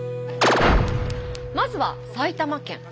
まずは埼玉県。